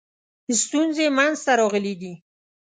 ستونزې منځته راغلي دي.